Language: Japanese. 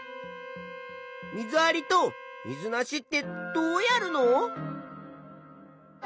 水ありと水なしってどうやるの？